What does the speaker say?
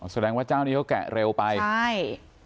แสดงว่าเจ้านี้เขาแกะเร็วไปใช่